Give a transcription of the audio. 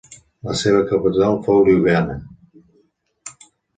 La seva capital fou Ljubljana.